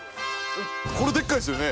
これデッカいですよね。